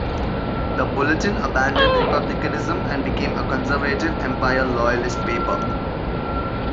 "The Bulletin" abandoned republicanism and became a conservative, Empire loyalist paper.